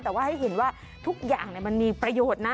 แต่ว่าให้เห็นว่าทุกอย่างมันมีประโยชน์นะ